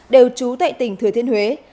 đều trú tại tỉnh thừa thiên huế